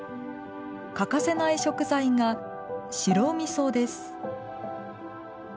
欠かせない食材が白みそです。